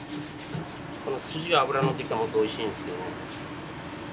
この筋が脂乗ってきたものっておいしいんですよね。